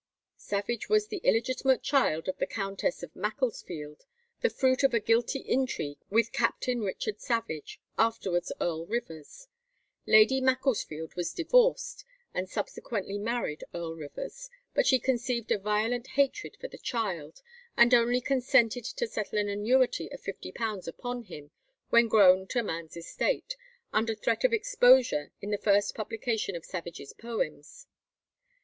Savage was the illegitimate child of the Countess of Macclesfield, the fruit of a guilty intrigue with Captain Richard Savage, afterwards Earl Rivers. Lady Macclesfield was divorced, and subsequently married Earl Rivers; but she conceived a violent hatred for the child, and only consented to settle an annuity of £50 upon him when grown to man's estate, under threat of exposure in the first publication of Savage's poems.